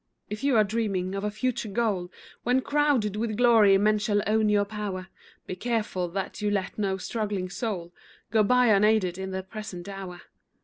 If you are dreaming of a future goal, When, crowned with glory, men shall own your power, Be careful that you let no struggling soul Go by unaided in the present hour.